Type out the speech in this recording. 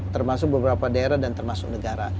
termasuk beberapa daerah dan termasuk negara